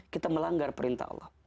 kita melanggar perintah allah